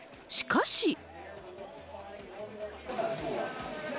しかし。